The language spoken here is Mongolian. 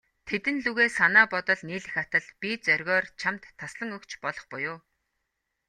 Тэдэн лүгээ санаа бодол нийлэх атал, би зоригоор чамд таслан өгч болох буюу.